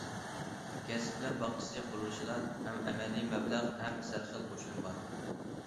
كەسىپلەر باغچىسى قۇرۇلۇشىدا ھەم ئەمەلىي مەبلەغ، ھەم سەرخىل قوشۇن بار.